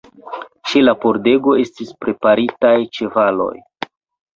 Ĉe la pordego estis preparitaj ĉevaloj.